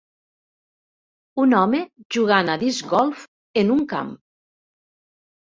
Un home jugant a disc golf en un camp.